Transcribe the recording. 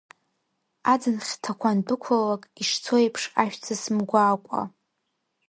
Аӡын хьҭақәа андәықәлалак, ишцо еиԥш ажәҵыс мгәаакәа…